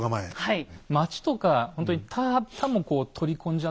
はい。